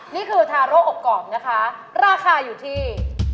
นี่คือทาโรคอบกรอบนะคะราคาอยู่ที่